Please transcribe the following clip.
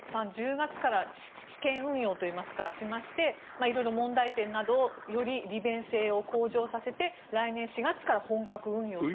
１０月から試験運用しまして問題点などをより利便性を向上させて来年４月から本格運用と。